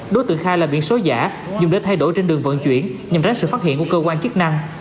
đối tượng khai là biển số giả dùng để thay đổi trên đường vận chuyển nhằm tránh sự phát hiện của cơ quan chức năng